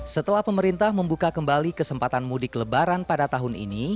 setelah pemerintah membuka kembali kesempatan mudik lebaran pada tahun ini